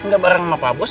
gak bareng ama pak bos